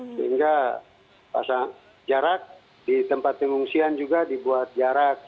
sehingga jarak di tempat pengungsian juga dibuat jarak